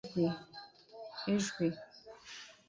Idjwi